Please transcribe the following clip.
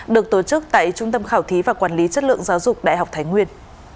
được tổ chức tại trung tâm khảo thí và quản lý chất lượng giáo dục đại học thái nguyên